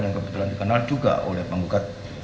yang kebetulan dikenal juga oleh penggugat